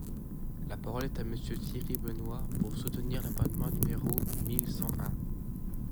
La parole est à Monsieur Thierry Benoit, pour soutenir l’amendement numéro mille cent un.